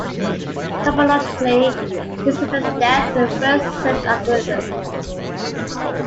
Topologically, this is a depth first search algorithm.